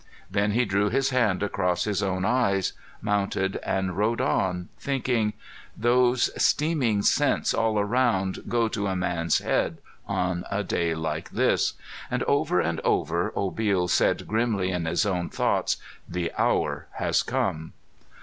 Then he drew his hand across his own eyes, mounted and rode on, thinking, "Those Steaming scents all around go to a man's head on a day like this." And over and over Obil said grimly in his own thoughts, "The hour has come!"